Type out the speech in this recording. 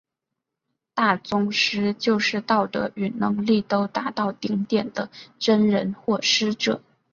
大宗师就是道德与能力都达到顶点的真人或师者。